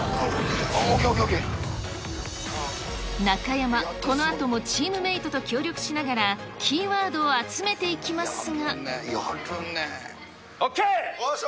中山、このあともチームメートと協力しながら、キーワードを集めていきやるねえ。